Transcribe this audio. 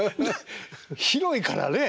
広いからね。